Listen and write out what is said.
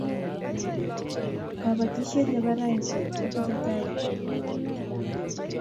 kabotishee nebo rauni kutesetai n kla